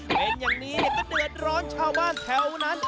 เป็นอย่างนี้ก็เดือดร้อนชาวบ้านแถวนั้น